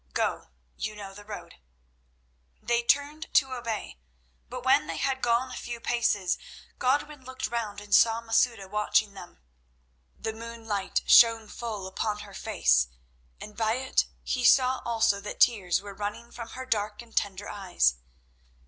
Go; you know the road." They turned to obey, but when they had gone a few paces Godwin looked round and saw Masouda watching them. The moonlight shone full upon her face, and by it he saw also that tears were running from her dark and tender eyes.